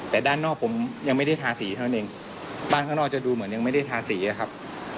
แต่ด้านนอกผมยังไม่ได้ทาสีเท่านั้นเองบ้านข้างนอกจะดูเหมือนยังไม่ได้ทาสีอะครับ